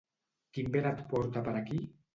Quin vent et porta per aquí?